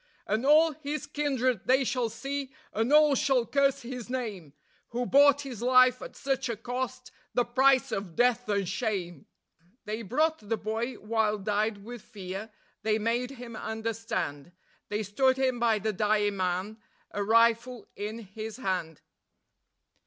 And all his kindred they shall see, and all shall curse his name, Who bought his life at such a cost, the price of death and shame." They brought the boy, wild eyed with fear; they made him understand; They stood him by the dying man, a rifle in his hand.